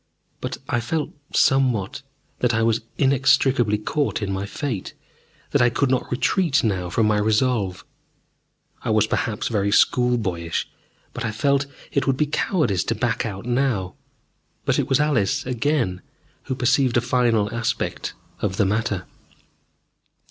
But I felt somewhat that I was inextricably caught in my fate, that I could not retreat now from my resolve. I was perhaps, very school boyish, but I felt that it would be cowardice to back out now. But it was Alice again who perceived a final aspect of the matter.